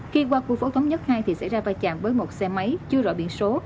khi qua khu phố thống nhất hai xảy ra vai trạm với một xe máy chưa rọi biển số